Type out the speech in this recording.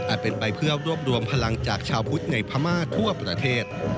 เป็นไปเพื่อรวบรวมพลังจากชาวพุทธในพม่าทั่วประเทศ